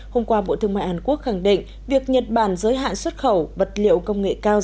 hôm qua bộ thương mại hàn quốc khẳng định việc nhật bản giới hạn xuất khẩu vật liệu công nghệ cao